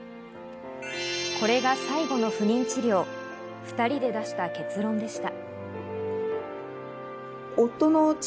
これが最後の不妊治療、２人で出した結論でした。